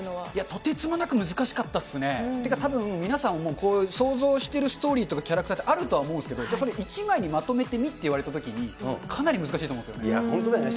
とてつもなく難しかったですね。というかたぶん、皆さん、想像してるストーリーとかキャラクターってあるとは思うんですけど、やっぱり一枚にまとめてみというときに、かなり難しいと思うんで本当だよね。